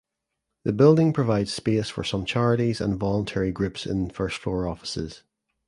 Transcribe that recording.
The building provides space for some charities and voluntary groups in first floor offices.